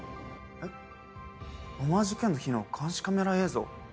えっボマー事件の日の監視カメラ映像？